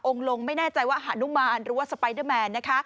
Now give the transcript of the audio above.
ลงไม่แน่ใจว่าหานุมานหรือว่าสไปเดอร์แมนนะคะ